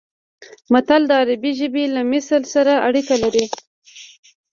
متل د عربي ژبې له مثل سره اړیکه لري